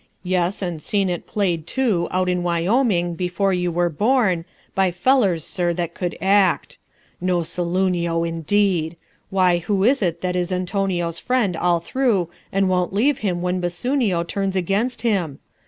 Yes, and seen it played, too, out in Wyoming, before you were born, by fellers, sir, that could act. No Saloonio, indeed! why, who is it that is Antonio's friend all through and won't leave him when Bassoonio turns against him?